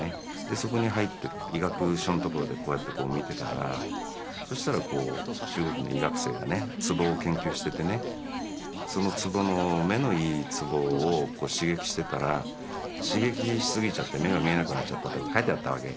そこに入って医学書の所でこうやって見てたらそしたら中国の医学生がねツボを研究しててねそのツボの目のいいツボを刺激してたら刺激しすぎちゃって目が見えなくなっちゃったとか書いてあったわけ。